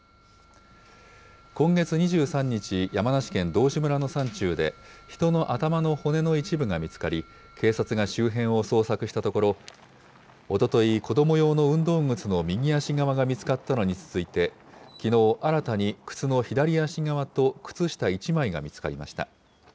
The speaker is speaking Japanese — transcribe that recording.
今月２３日、山梨県道志村の山中で、人の頭の骨の一部が見つかり、警察が周辺を捜索したところ、おととい、子ども用の運動靴の右足側が見つかったのに続いて、きのう、新たに靴の左足側と、靴下１枚が見つかりました。